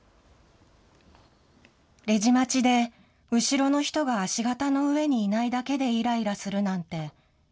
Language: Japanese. レジ待ちで、後ろの人が足形の上にいないだけでいらいらするなんて。